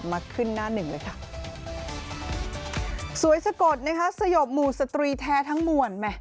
มาขึ้นหน้าหนึ่งเลยค่ะสวยสะกดนะคะสยบหมู่สตรีแท้ทั้งมวลแม่